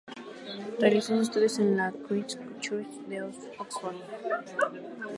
Realizó sus estudios en la Christ Church de Oxford.